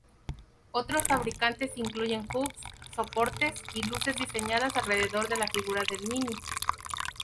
Otros fabricantes incluyen hubs, soportes y luces diseñadas alrededor de la figura del mini.